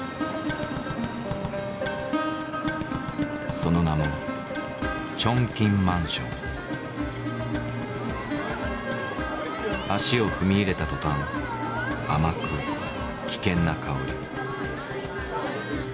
その名も足を踏み入れた途端甘く危険なかおり。